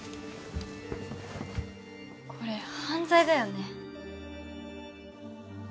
これ犯罪だよね？